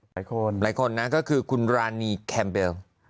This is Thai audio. หลายคนก็คือคุณรานีแคมเปล